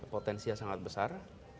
potensia sangat besar